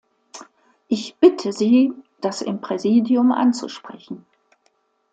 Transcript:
Ich bitte Sie, das im Präsidium anzusprechen.